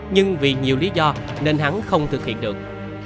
nhưng vì nhiều lý do nên hắn không thực hiện được